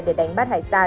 để đánh bắt hải sản